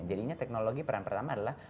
jadinya teknologi peran pertama adalah